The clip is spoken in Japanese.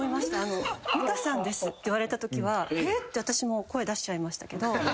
「美香さんです」って言われたときはえっ！？って私も声出しちゃいましたけど。